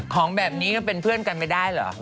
ของแบบนี้ก็เป็นเพื่อนกันไม่ได้เหรอ